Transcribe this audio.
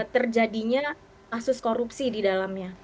terjadinya kasus korupsi di dalamnya